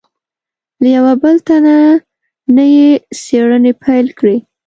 له یوه بل تن نه یې څېړنې پیل کړې.